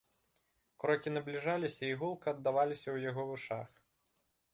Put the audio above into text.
Крокі набліжаліся і гулка аддаваліся ў яго вушах.